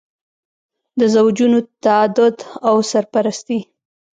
د زوجونو تعدد او سرپرستي.